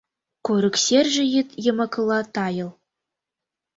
Курык серже йӱд йымакыла тайыл.